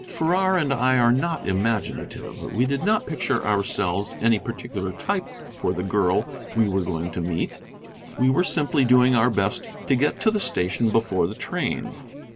Farrar and I are not imaginative; we did not picture to ourselves any particular type for the girl we were going to meet, we were simply doing our best to get to the station before the train.